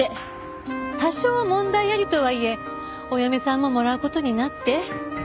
多少問題ありとはいえお嫁さんももらう事になって。